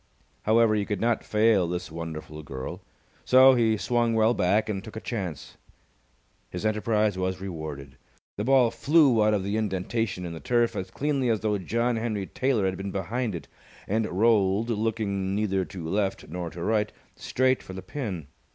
However, he could not fail this wonderful girl, so he swung well back and took a chance. His enterprise was rewarded. The ball flew out of the indentation in the turf as cleanly as though John Henry Taylor had been behind it, and rolled, looking neither to left nor to right, straight for the pin.